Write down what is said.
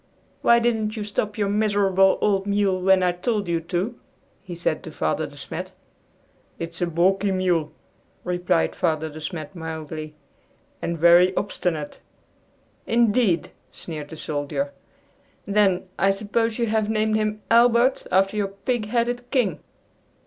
"Why didn't you stop your miserable old mule when I told you to?" he said to Father De Smet. "It's a balky mule," replied Father De Smet mildly, "and very obstinate." "Indeed!" sneered the soldier; "then, I suppose you have named him Albert after your pig headed King!"